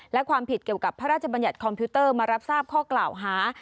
และความผิดเกี่ยวกับพระราชบัญญัติคอมพิวเตอร์มารับทราบข้อกล่าวหา